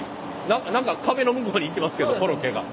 何か壁の向こうに行ってますけどコロッケが。